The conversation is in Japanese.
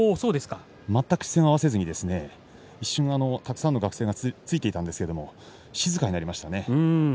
全く視線を合わせずにその後ろにたくさんの学生がついていたんですが静かになりましたね。